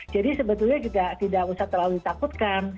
jadi sebetulnya juga tidak usah terlalu ditakutkan